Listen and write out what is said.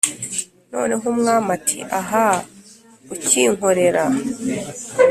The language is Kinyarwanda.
noneho umwami ati ‘ahaaa! ukinkorera?